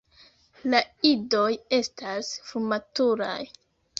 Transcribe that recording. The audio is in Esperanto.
La idoj estas frumaturaj.